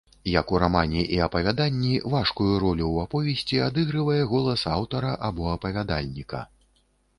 Як ў рамане і апавяданні, важкую ролю ў аповесці адыгрывае голас аўтара або апавядальніка.